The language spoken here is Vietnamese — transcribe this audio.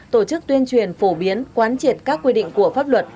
tổ chức tuyên truyền phổ biến quán triệt các quy định của pháp luật